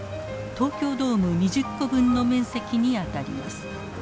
東京ドーム２０個分の面積にあたります。